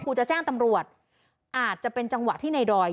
จะแจ้งตำรวจอาจจะเป็นจังหวะที่ในดอย